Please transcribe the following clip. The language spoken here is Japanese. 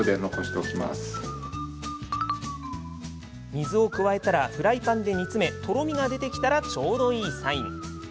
水を加えたらフライパンで煮詰めとろみが出てきたらちょうどいいサイン。